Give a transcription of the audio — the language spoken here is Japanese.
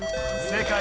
正解！